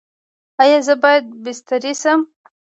ایا زه باید بستري شم؟